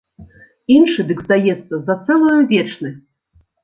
Іншы дык здаецца за цэлую вечнасць.